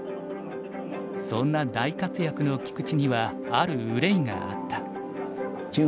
そんな大活躍の菊池にはある憂いがあった。